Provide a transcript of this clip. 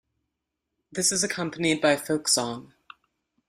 This is accompanied by folk song.